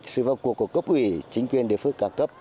sự phong cuộc của cấp ủy chính quyền địa phương cao cấp